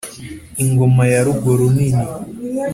Ingoma ya Rugo-runini